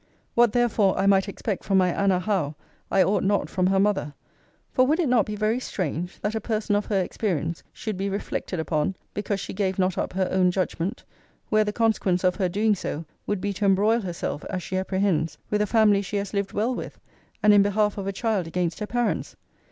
What therefore I might expect from my Anna Howe, I ought not from her mother; for would it not be very strange, that a person of her experience should be reflected upon because she gave not up her own judgment, where the consequence of her doing so would be to embroil herself, as she apprehends, with a family she has lived well with, and in behalf of a child against her parents?